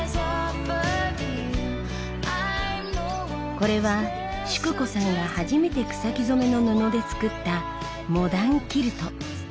これは淑子さんが初めて草木染めの布で作った「モダンキルト」。